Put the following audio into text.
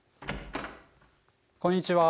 こんにちは。